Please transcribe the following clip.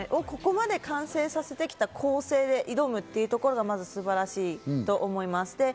ここまで完成させてきた構成に挑むということがまず素晴らしいと思います。